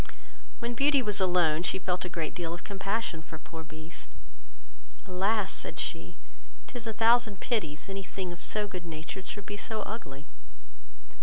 When Beauty was alone, she felt a great deal of compassion for poor Beast. "Alas, (said she,) 'tis a thousand pities any thing so good natured should be so ugly."